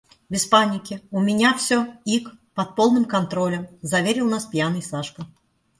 «Без паники! У меня всё, ик, под полным контролем!» — заверил нас пьяный Сашка.